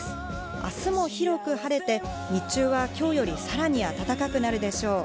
明日も広く晴れて、日中は今日よりさらに暖かくなるでしょう。